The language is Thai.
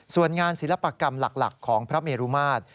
ส่วนงานศิลปกรรมหลักของพระเมรุมาตร